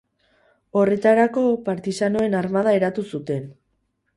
Horretarako partisanoen armada eratu zuten.